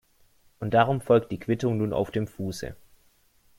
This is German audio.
Und darum folgt die Quittung nun auf dem Fuße.